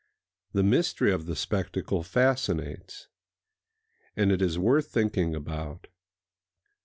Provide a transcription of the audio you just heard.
The mystery of the spectacle fascinates; and it is worth thinking about.